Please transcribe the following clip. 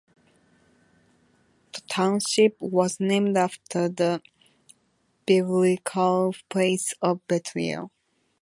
The township was named after the biblical place of Bethel.